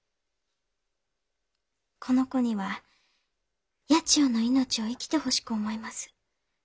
この子には「八千代の命」を生きてほしく思います。